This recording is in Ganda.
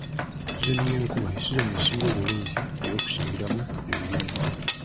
Sizoni y'enkuba ye sizoni esinga obulungi ey'okusimbiramu ebirime.